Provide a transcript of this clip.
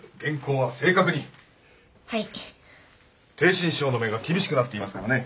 逓信省の目が厳しくなっていますからね。